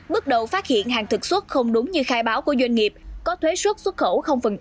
bước đầu phát hiện hàng thực xuất không đúng như khai báo của doanh nghiệp có thuế xuất xuất khẩu